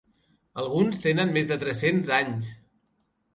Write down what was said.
Alguns tenen més de tres-cents anys.